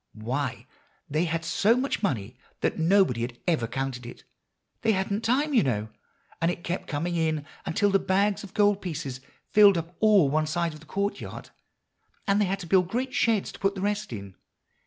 Why, they had so much money that nobody had ever counted it; they hadn't time, you know. And it kept coming in until the bags of gold pieces filled up all one side of the courtyard, and they had to build great sheds to put the rest in."